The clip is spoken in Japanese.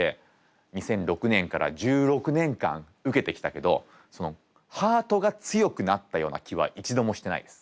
２００６年から１６年間受けてきたけどそのハートが強くなったような気は一度もしてないです。